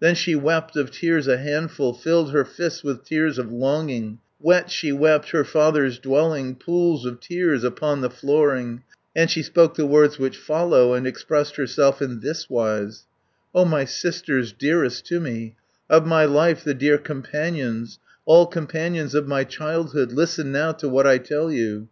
Then she wept of tears a handful, Filled her fists with tears of longing, Wet she wept her father's dwelling, Pools of tears upon the flooring, 390 And she spoke the words which follow, And expressed herself in thiswise: "O my sisters, dearest to me, Of my life the dear companions, All companions of my childhood, Listen now to what I tell you.